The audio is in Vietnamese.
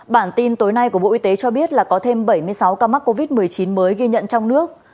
bản tin tối nay của bộ y tế cho biết là có thêm bảy mươi sáu ca mắc covid một mươi chín mới ghi nhận trong nước